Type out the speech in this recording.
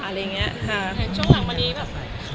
ช่วงหลังวันนี้แบบ